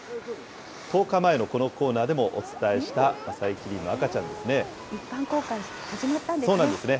１０日前のこのコーナーでもお伝えしたマサイキリンの赤ちゃんで一般公開、始まったんですね。